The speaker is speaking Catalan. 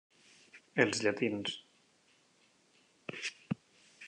Els llatins.